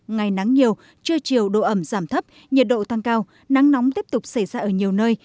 ngày nắng nhiều trưa chiều độ ẩm giảm thấp nhiệt độ tăng cao nắng nóng tiếp tục xảy ra ở nhiều nơi